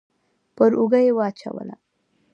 پر اوږه يې واچوله.